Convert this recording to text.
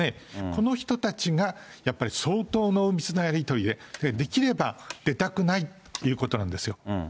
この人たちがやっぱり相当濃密なやり取りで、できれば出たくないっていうことなんですよ。